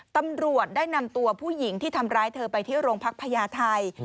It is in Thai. ตำรวจได้นำตัวผู้หญิงที่ทำร้ายเธอไปที่โรงพักพญาไทย